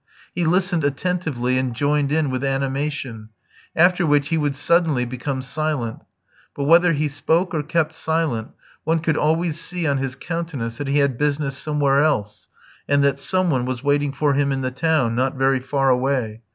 He listened attentively, and joined in with animation; after which he would suddenly become silent. But whether he spoke or kept silent, one could always see on his countenance that he had business somewhere else, and that some one was waiting for him in the town, not very far away.